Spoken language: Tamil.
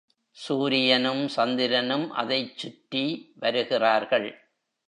சூரியனும் சந்திரனும் அதைச் சுற்றி வருகிறார்கள்.